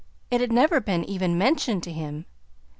It had never been even mentioned to him.